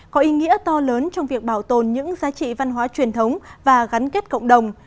có ý nghĩa to lớn trong việc bảo tồn những giá trị văn hóa truyền thống và gắn kết cộng đồng